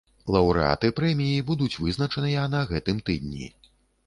Лаўрэаты прэміі будуць вызначаныя на гэтым тыдні.